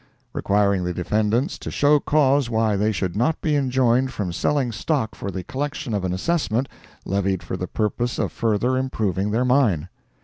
requiring the defendants to show cause why they should not be enjoined from selling stock for the collection of an assessment levied for the purpose of further improving their mine.